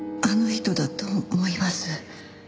あの人だと思います。